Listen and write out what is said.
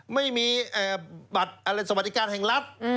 ไม่มีบัตรอะไรสวัสดิการแห่งรัฐ